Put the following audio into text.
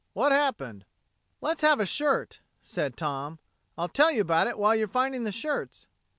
"What happened?" "Let's have a shirt," said Tom. "I'll tell you about it while you're finding the shirts."